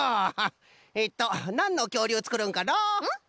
えっとなんのきょうりゅうつくるんかのう？